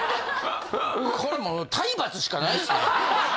これもう体罰しかないですね。